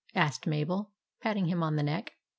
" asked Mabel, patting him on the neck.